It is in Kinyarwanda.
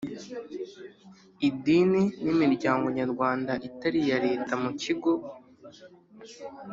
Idini n imiryango nyarwanda itari iya leta mu kigo